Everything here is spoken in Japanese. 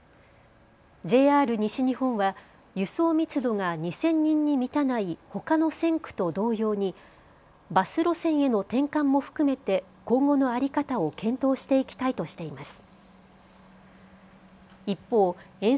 ＪＲ西日本は輸送密度が２０００人に満たないほかの線区と同様にバス路線への転換も含めて今後の在り方を検討していきたいとしています。